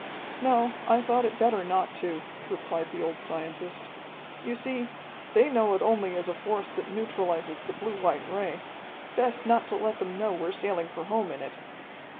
"No, I thought it better not to," replied the old scientist. "You see, they know it only as a force that neutralizes the blue white ray. Best not to let them know we're sailing for home in it."